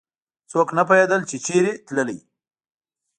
څوک نه پوهېدل چې چېرته تللی.